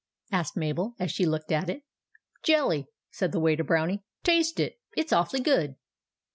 asked Mabel, as she looked at it. " Jelly," said the Waiter Brownie. " Taste it ; it 's awfully good."